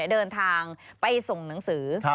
เดินทางไปส่งหนังสือ